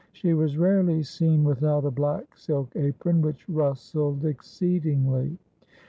She was rarely seen without a black silk apron, which rustled exceedingly.